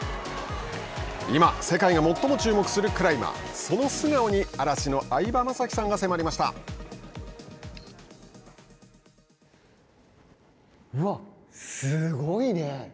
今、世界が最も注目するクライマーその素顔に嵐の相葉雅紀さんがうわ、すごいね。